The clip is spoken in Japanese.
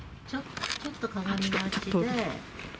ちょっとかがみがちで。